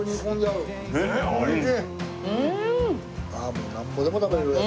もうなんぼでも食べられる味や。